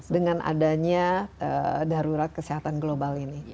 dengan adanya darurat kesehatan global ini